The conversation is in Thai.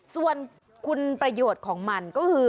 ส่วนคุณประโยชน์ของมันก็คือ